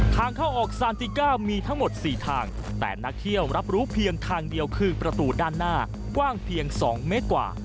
ทางเข้าออกซานติ๙มีทั้งหมด๔ทางแต่นักเที่ยวรับรู้เพียงทางเดียวคือประตูด้านหน้ากว้างเพียง๒เมตรกว่า